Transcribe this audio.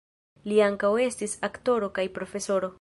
Li ankaŭ estis aktoro kaj profesoro.